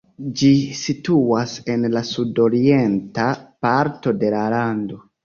Ĝi situas en la sudorienta parto de la lando.